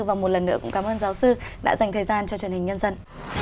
và một lần nữa cũng cảm ơn giáo sư đã dành thời gian cho truyền hình nhân dân